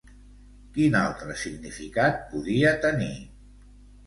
Quin altre significat podia tenir?